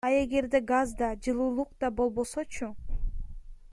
А эгерде газ да, жылуулук да болбосочу?